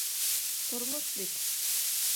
Тормош бит.